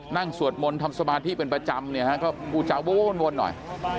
นั่งสวดมนตร์ทำสมบัติที่เป็นประจำเนี่ยครับกูจะโวนหน่อย